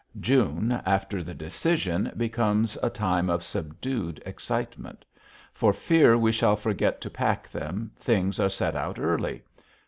June, after the decision, becomes a time of subdued excitement. For fear we shall forget to pack them, things are set out early.